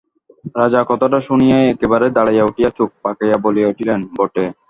রাজা কথাটা শুনিয়াই একেবারে দাঁড়াইয়া উঠিয়া চোখ পাকাইয়া বলিয়া উঠিলেন, বটে।